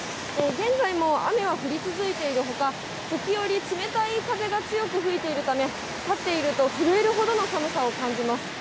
現在も雨は降り続いているほか、時折、冷たい風が強く吹いているため、立っていると震えるほどの寒さを感じます。